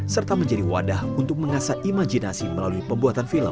serta menjadi wadah untuk mengasah imajinasi melalui pembuatan film